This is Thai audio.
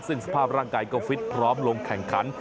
ซึ่งสภาพร่างกายก็ฟิตพร้อมลงแข่งขัน